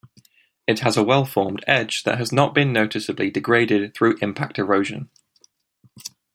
It has a well-formed edge that has not been noticeably degraded through impact erosion.